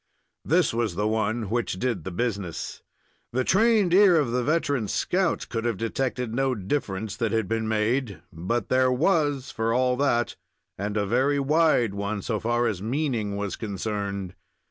This was the one which did the business. The trained ear of the veteran scout could have detected no difference that had been made, but there was, for all that, and a very wide one, so far as meaning was concerned.